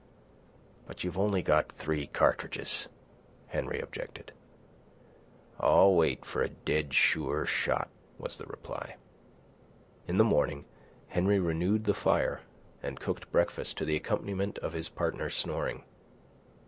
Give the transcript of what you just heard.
"But you've only got three cartridges," Henry objected. "I'll wait for a dead sure shot," was the reply. In the morning Henry renewed the fire and cooked breakfast to the accompaniment of his partner's snoring.